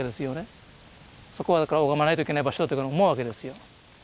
そこはだから拝まないといけない場所だと思うわけですよ。